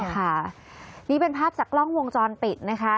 ค่ะนี่เป็นภาพจากกล้องวงจรปิดนะคะ